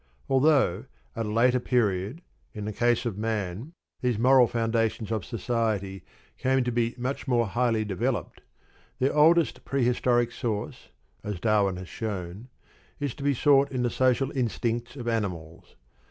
Although at a later period, in the case of man, these moral foundations of society came to be much more highly developed, their oldest prehistoric source, as Darwin has shown, is to be sought in the social instincts of animals.